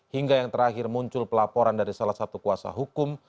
hingga yang terakhir muncul pelaporan dari salah satu kuasa hukum